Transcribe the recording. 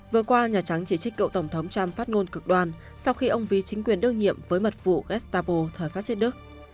vừa qua nhà trắng chỉ trích cựu tổng thống trump phát ngôn cực đoan sau khi ông ví chính quyền đưa nhiệm với mật vụ gestapo thời fascist đức